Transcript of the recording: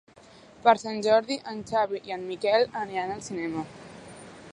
Per Sant Jordi en Xavi i en Miquel aniran al cinema.